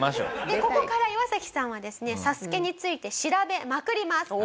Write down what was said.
ここからイワサキさんはですね『ＳＡＳＵＫＥ』について調べまくります。